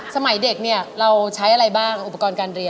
สมัยเด็กเนี่ยเราใช้อะไรบ้างอุปกรณ์การเรียน